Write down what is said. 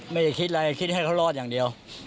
ไม่ได้คิดอะไรคิดให้เขารอดอย่างเดียว